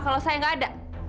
kalau saya gak ada